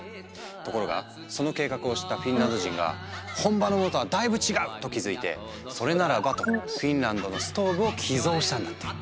ところがその計画を知ったフィンランド人が「本場のものとはだいぶ違う」と気付いてそれならばとフィンランドのストーブを寄贈したんだって。